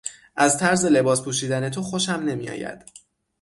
از طرز لباس پوشیدن تو خوشم نمیآید.